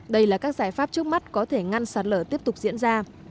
đây là các giải pháp trước mắt có thể ngăn sạt lở tiếp tục diễn ra